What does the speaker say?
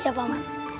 iya pak man